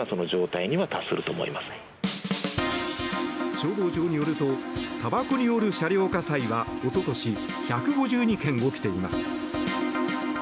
消防庁によるとたばこによる車両火災はおととし１５２件起きています。